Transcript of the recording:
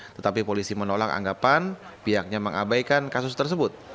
tetapi polisi menolak anggapan pihaknya mengabaikan kasus tersebut